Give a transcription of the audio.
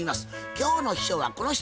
今日の秘書はこの人。